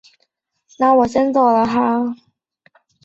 视觉艺术流派众多，不是所有人都喜欢后现代画作的。